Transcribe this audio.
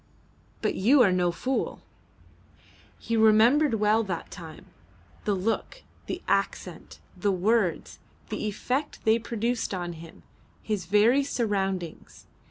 But you are no fool." He remembered well that time the look, the accent, the words, the effect they produced on him, his very surroundings.